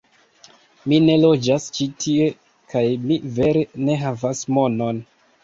Mi ne loĝas ĉi tie, kaj mi vere ne havas monon